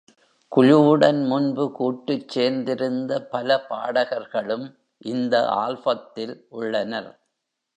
குழுவுடன் முன்பு கூட்டுச்சேர்ந்திருந்த, பல பாடகர்களும் இந்த ஆல்பத்தில் உள்ளனர்.